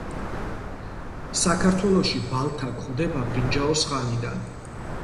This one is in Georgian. საქართველოში ბალთა გვხვდება ბრინჯაოს ხანიდან.